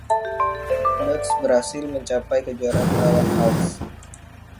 Ducks berhasil mencapai kejuaraan melawan Hawks.